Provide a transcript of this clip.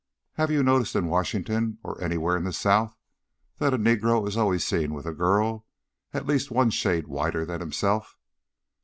Have you noticed in Washington or anywhere in the South that a negro is always seen with a girl at least one shade whiter than himself?